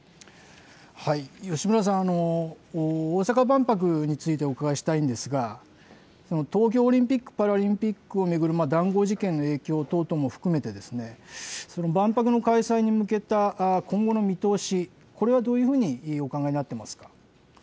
吉村さん、大阪万博についてお伺いしたいんですが、東京オリンピック・パラリンピックを巡る談合事件の影響等々も含めて、その万博の開催に向けた今後の見通し、これはどういうふうにお考えになってますか。